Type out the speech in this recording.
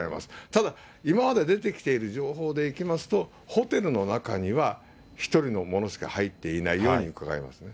ただ、今まで出てきている情報でいきますと、ホテルの中には、１人の者しか入っていないようにうかがえますね。